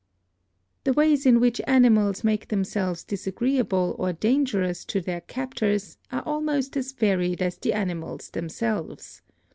The ways in which animals make themselves disagree able or dangerous to their captors are almost as varied as the animals themselves.